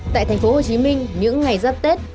tại tp hcm những ngày dắp tết